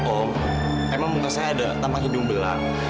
om emang muka saya ada tampak hidung belang